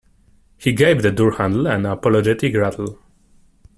He gave the door handle an apologetic rattle.